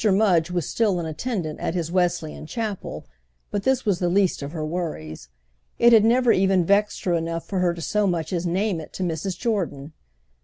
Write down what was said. Mudge was still an attendant at his Wesleyan chapel, but this was the least of her worries—it had never even vexed her enough for her to so much as name it to Mrs. Jordan.